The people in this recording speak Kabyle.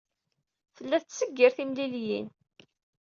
Tella tettseggir timliliyin.